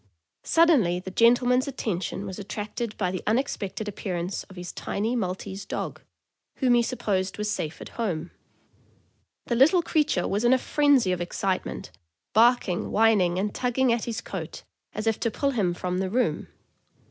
Suddenly the gentleman's attention was attracted by the unexpected appearance of his tiny Maltese dog, whom he supposed was safe at home. The little creature was in a frenzy of excitement, barking, whining, and tugging at his coat as if to pull him from the room.